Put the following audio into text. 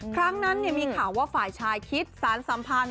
ครั้งนั้นมีข่าวว่าฝ่ายชายคิดสารสัมพันธ์